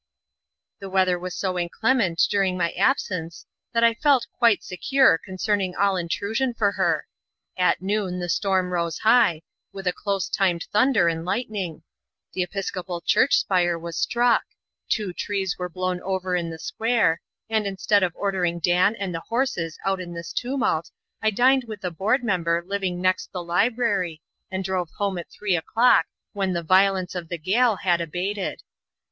The weather was so inclement during my absence that I felt quite secure concerning all intrusion for her. At noon the storm rose high, with a close timed thunder and lightning; the Episcopal church spire was struck; two trees were blown over in the square; and, instead of ordering Dan and the horses out in this tumult, I dined with a board member living next the library, and drove home at three o'clock when the violence of the gale had abated.